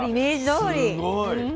すごい。